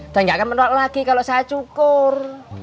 dan gak akan menolak lagi kalau saya cukur